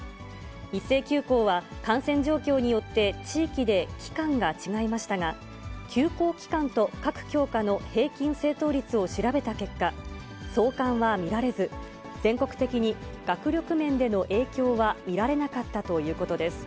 一斉休校は感染状況によって、地域で期間が違いましたが、休校期間と各教科の平均正答率を調べた結果、相関は見られず、全国的に学力面での影響は見られなかったということです。